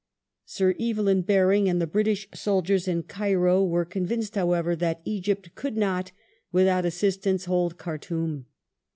^ Sir Evelyn Baring and the British soldiers in Cairo were convinced, however, that Egypt could not, without assistance, hold Khartoum.